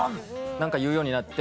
何か言うようになって。